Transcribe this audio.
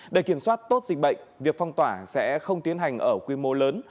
để kiểm soát tốt dịch bệnh việc phong tỏa sẽ không tiến hành ở quy mô lớn